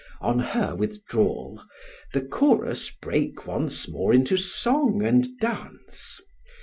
On her withdrawal the chorus break once more into song and dance.